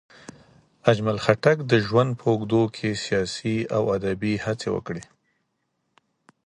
اجمل خټک د ژوند په اوږدو کې سیاسي او ادبي هڅې وکړې.